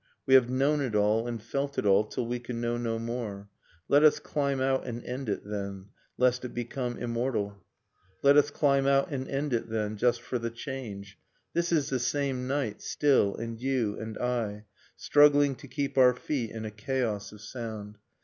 We have known it all, and felt it all Till we can know no more ... Let us climb out and end it, then, Lest it become immortal. Let us climb out and end it, then. Just for the change. .. This is the same night, still, and you, and I, Struggling to keep our feet in a chaos of sound.